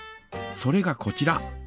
それがこちら。